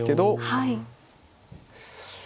はい。